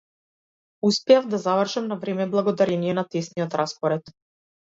Успеав да завршам на време благодарение на тесниот распоред.